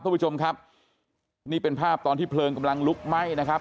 คุณผู้ชมครับนี่เป็นภาพตอนที่เพลิงกำลังลุกไหม้นะครับ